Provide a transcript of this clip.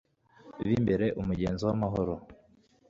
bimbere umugenzo w'amahoro